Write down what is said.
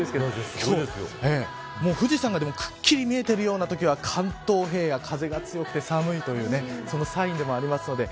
富士山がくっきり見えているようなときは関東平野、風が強くて寒いというサインでもあります。